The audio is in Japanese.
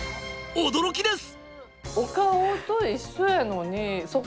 驚きです！